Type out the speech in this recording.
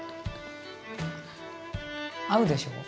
合うでしょ？